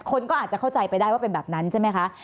คนก็อาจจะเข้าใจไปได้ว่าเป็นแบบนั้นใช่ไหมคะ